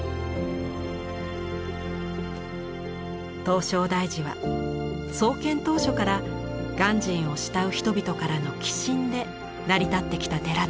唐招提寺は創建当初から鑑真を慕う人々からの寄進で成り立ってきた寺なのです。